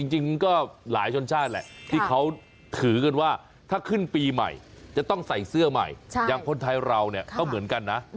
จริงก็หลายชนชาติแหละที่เขาถือกันว่าถ้าขึ้นปีใหม่จะต้องใส่เสื้อใหม่อย่างคนไทยเราเนี่ยก็เหมือนกันนะ